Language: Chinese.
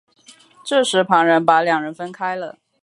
这时旁人把两人分开了。